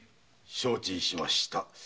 承知しました。